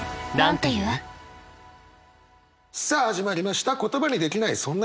さあ始まりました「言葉にできない、そんな夜。」。